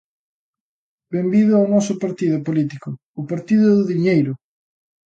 Benvido ao noso partido político: O Partido do Diñeiro!